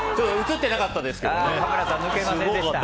映ってなかったんですけどね。